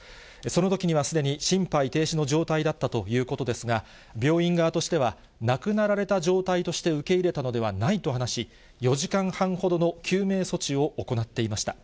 そのときにはすでに心肺停止の状態だったということですが、病院側としては、亡くなられた状態として受け入れたのではないと話し、４時間半ほどの救命処置を行っていました。